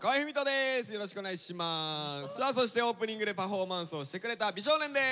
さあそしてオープニングでパフォーマンスをしてくれた美少年です。